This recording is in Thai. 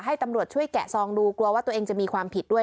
ตำรวจช่วยแกะซองดูกลัวว่าตัวเองจะมีความผิดด้วย